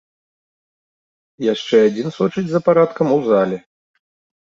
Яшчэ адзін сочыць за парадкам у зале.